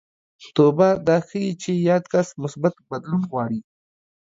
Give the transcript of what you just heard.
توبه دا ښيي چې یاد کس مثبت بدلون غواړي